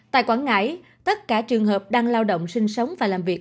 tại quảng ngãi tất cả trường hợp đang lao động sinh sống và làm việc